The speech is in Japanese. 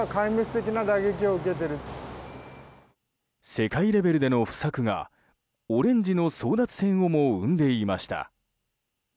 世界レベルでの不作がオレンジの争奪戦をも生んでいました。